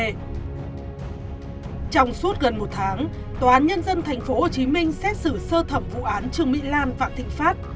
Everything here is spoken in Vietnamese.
trong suốt gần một tháng tòa án nhân dân tp hcm xét xử sơ thẩm vụ án trương mỹ lan phạm thị pháp